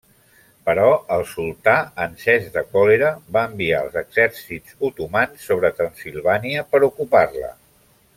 Però el sultà, encès de còlera, va enviar els exèrcits otomans sobre Transsilvània per ocupar-la.